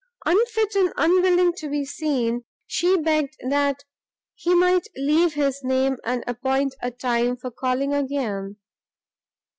Unfit and unwilling to be seen, she begged that he might leave his name, and appoint a time for calling again.